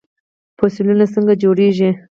فوسیلونه څنګه جوړیږي؟